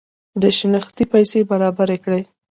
د شنختې پیسې برابري کړي.